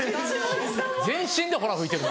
全身でほら吹いてる。